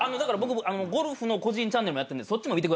ゴルフの個人チャンネルもやってるんでそっちも見てくださいよ。